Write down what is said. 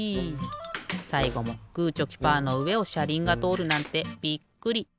さいごもグーチョキパーのうえをしゃりんがとおるなんてびっくり。